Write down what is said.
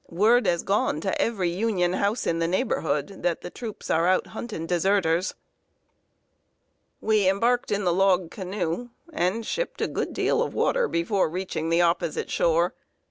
Word has gone to every Union house in the neighborhood that the troops are out hunting deserters." We embarked in the log canoe, and shipped a good deal of water before reaching the opposite shore.